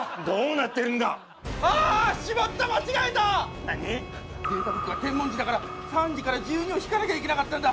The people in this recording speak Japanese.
なに⁉データブックは天文時だから３時から１２を引かなきゃいけなかったんだ！